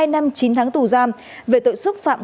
hai năm chín tháng tù giam về tội xúc phạm